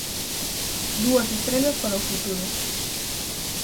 Dúas estrelas para o futuro